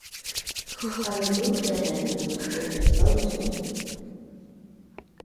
Але дух яго быў тут цяпер заўсёды.